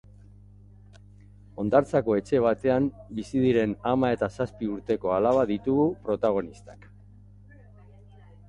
Hondartzako etxe batean bizi diren ama eta zazpi urteko alaba ditugu protagonistak.